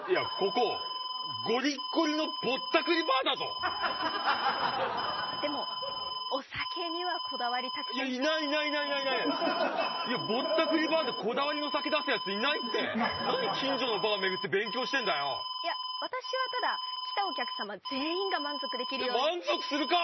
ここゴリゴリのぼったくりバーだぞでもお酒にはこだわりたくていやいないいないいないぼったくりバーでこだわりの酒出すやついないって何近所のバー巡って勉強してんだよいや私はただ来たお客様全員が満足できるよう満足するか！